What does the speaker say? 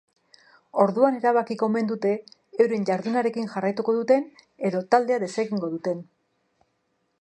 Orduan erabakiko omen dute euren jardunarekin jarraituko duten edo taldea desegingo duten.